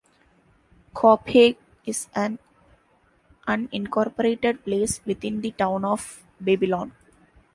Copiague is an unincorporated place within the Town of Babylon.